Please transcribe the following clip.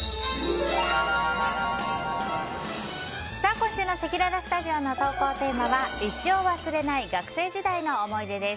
今週のせきららスタジオの投稿テーマは一生忘れない学生時代の思い出です。